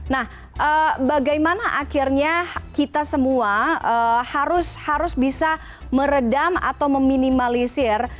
nah bagaimana akhirnya kita semua harus bisa meredam atau meminimalisir